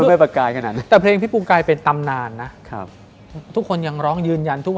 ใช่ครับ